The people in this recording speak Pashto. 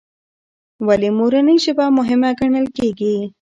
ولې مورنۍ ژبه مهمه ګڼل کېږي؟